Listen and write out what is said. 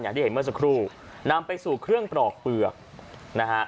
อย่างที่เห็นเมื่อสักครู่นำไปสู่เครื่องปลอกเปลือกนะฮะ